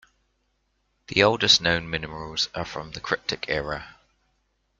The oldest known minerals are from the Cryptic era.